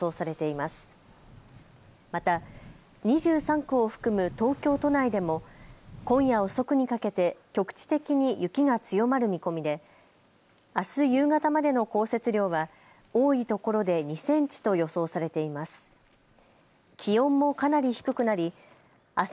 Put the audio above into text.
また、２３区を含む東京都内でも今夜遅くにかけて局地的に雪が強まる見込みであす夕方までの降雪量は多いところで２センチと予想されています。